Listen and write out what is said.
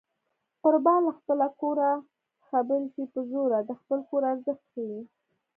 قربان له خپله کوره چې خبرې شي په زوره د خپل کور ارزښت ښيي